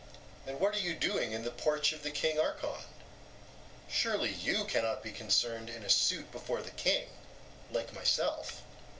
and what are you doing in the Porch of the King Archon? Surely you cannot be concerned in a suit before the King, like myself?